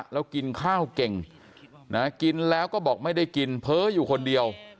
แล้วกินข้าวเก่งนะกินแล้วก็บอกไม่ได้กินเพ้ออยู่คนเดียว